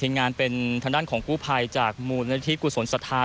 ทีมงานเป็นทางด้านของกู้ภัยจากมูลนาฬิทธิ์กุศลสถาน